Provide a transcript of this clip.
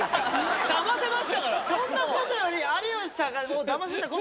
そんなことより。